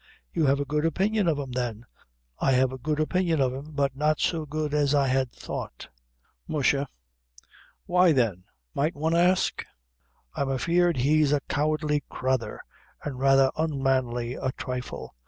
"You have a good opinion of him, then?" "I have a good opinion of him, but not so good as I had thought." "Mush a why then, might one ask?" "I'm afeard he's a cowardly crathur, and rather unmanly a thrifle.